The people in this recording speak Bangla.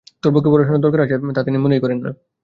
তোর পক্ষে পড়াশুনোর দরকার আছে তা তিনি মনেই করতেন না।